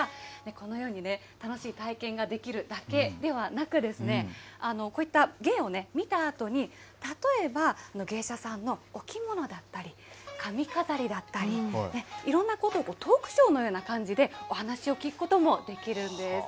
このように楽しい体験ができるだけではなく、こういった芸を見たあとに、例えば芸者さんのお着物だったり、髪飾りだったり、いろんなこと、トークショーのような形でお話を聞くこともできるんです。